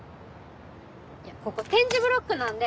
いやここ点字ブロックなんで。